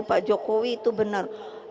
pak jokowi itu benar